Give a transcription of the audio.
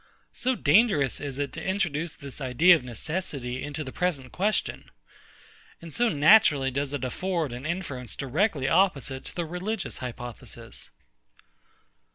So dangerous is it to introduce this idea of necessity into the present question! and so naturally does it afford an inference directly opposite to the religious hypothesis!